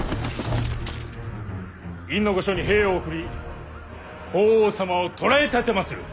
院御所に兵を送り法皇様を捕らえ奉る。